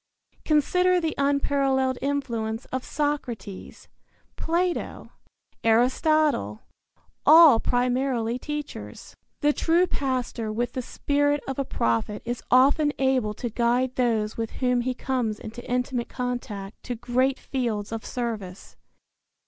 Consider the unparalleled influence of Socrates, Plato, Aristotle all primarily teachers. The true pastor with the spirit of a prophet is often able to guide those with whom he comes into intimate contact to great fields of service.